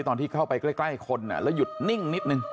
ตอนที่เข้าไปใกล้คนแล้วหยุดนิ่งนิดนึง